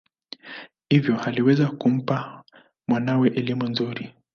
Hivyo aliweza kumpa mwanawe elimu nzuri.